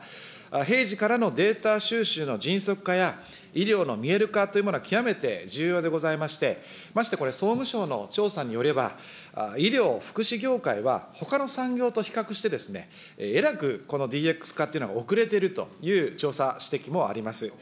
平時からのデータ収集の迅速化や医療の見える化というものは、極めて重要でございまして、ましてこれ、総務省の調査によれば、医療、福祉業界は、ほかの産業と比較して、えらくこのＤＸ化というのが遅れているという調査指摘もあります。